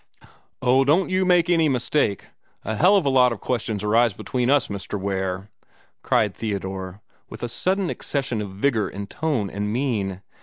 "Oh, don't you make any mistake! A hell of a lot of questions arise between us, Mr. Ware," cried Theodore, with a sudden accession of vigor in tone and mien.